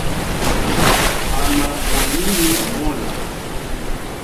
Anamwamini Mola